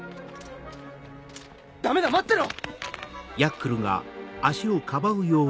ダメだ待ってろ！